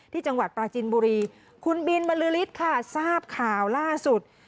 ที่จังหวัดปราจินบุรีคุณบินบริษฐ์ค่ะทราบข่าวล่าสุด